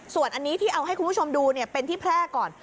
ส่วนอันนี้ที่เอาให้คุณผู้ชมดูเป็นที่แพร่ก่อน